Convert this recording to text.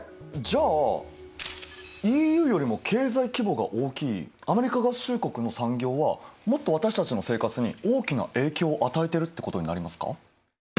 じゃあＥＵよりも経済規模が大きいアメリカ合衆国の産業はもっと私たちの生活に大きな影響を与えてるってことになりますか？